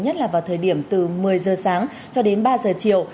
nhất là vào thời điểm từ một mươi giờ sáng cho đến ba giờ chiều